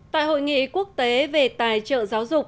tại hội nghị quốc tế về tài trợ giáo dục